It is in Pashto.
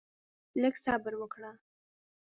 لږ صبر وکړه؛